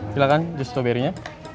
silahkan just strawberry nya